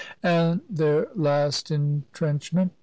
And their last entrenchment!